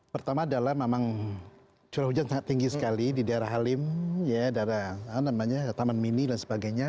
pertama adalah memang curah hujan sangat tinggi sekali di daerah halim daerah taman mini dan sebagainya